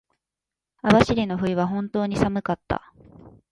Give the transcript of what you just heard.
網走の冬は本当に寒かった。